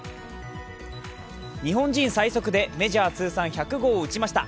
日本人最速でメジャー通算１００号を打ちました。